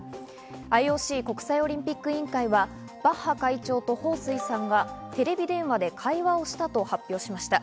ＩＯＣ＝国際オリンピック委員会はバッハ会長とホウ・スイさんがテレビ電話で会話をしたと発表しました。